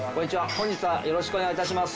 本日はよろしくお願い致します。